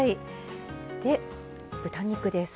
で豚肉です。